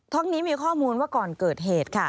นี้มีข้อมูลว่าก่อนเกิดเหตุค่ะ